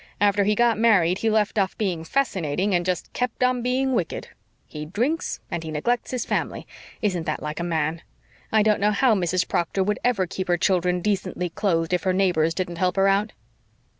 After he got married he left off being fascinating and just kept on being wicked. He drinks and he neglects his family. Isn't that like a man? I don't know how Mrs. Proctor would ever keep her children decently clothed if her neighbors didn't help her out."